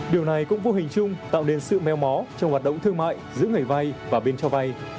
điều này cũng vô hình chung tạo nên sự meo mó trong hoạt động thương mại giữa người vay và bên cho vay